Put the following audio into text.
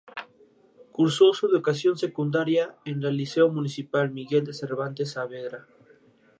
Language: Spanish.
Cursó su educación secundaría en el Liceo Municipal Miguel de Cervantes y Saavedra.